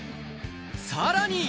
さらに！